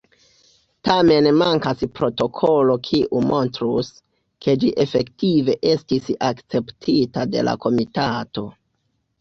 Tamen mankas protokolo kiu montrus, ke ĝi efektive estis akceptita de la komitato.